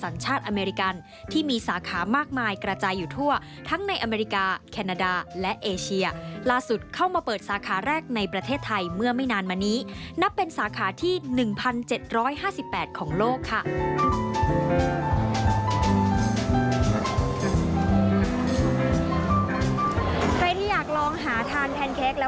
ใครที่อยากลองหาทานแพนเค้กและวัฟเฟิลสไตล์อเมริกันแท้